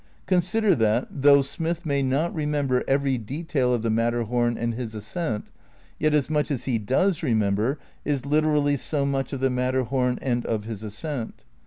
Consider that, though Smith may not remember every detail of the Matter hom and his ascent, yet as much as he does remember is literally so much of the Matterhom and of his ascent.